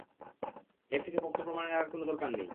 এর থেকে পোক্ত প্রমাণের আর কোনো দরকার নেই।